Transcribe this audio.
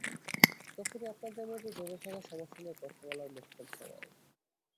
তখনই আপনাদের মধ্যে জমে থাকা সমস্যা নিয়ে কথা বলার মোক্ষম সময়।